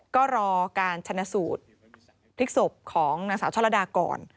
ก็รอการชนะสูตรพลิกศพของนางสาวช่อระดาก่อน